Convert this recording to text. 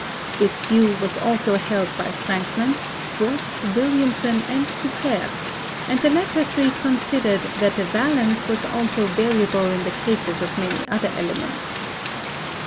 This view was also held by Frank land, Wurtz, Williamson and Couper, and the latter three considered that the valence was also variable in the cases of many other elements.